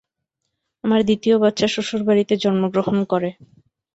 আমার দ্বিতীয় বাচ্চা শ্বশুরবাড়িতে জন্মগ্রহণ করে।